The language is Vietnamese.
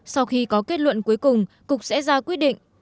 sau khi có kết luận cuối cùng cục sẽ ra quyết định